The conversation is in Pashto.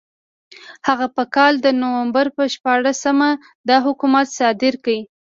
هغه په کال د نومبر په شپاړسمه دا حکم صادر کړ.